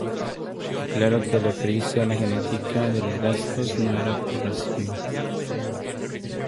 declaró que al referirse a la genética de los vascos no era por racismo